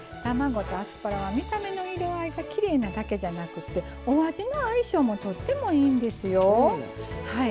卵とアスパラは見た目の色合いがきれいなだけじゃなくてお味の相性もとってもいいんですよ。